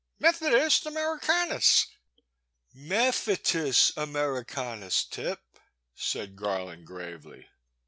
'* Methodist Americanus Mephetis Americanus, Tip,'* said Garland gravely.